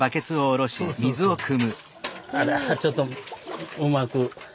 あらちょっとうまく。